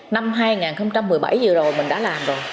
năm hai nghìn một mươi bảy vừa rồi mình đã làm rồi